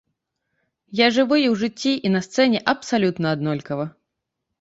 Я жыву і ў жыцці, і на сцэне абсалютна аднолькава.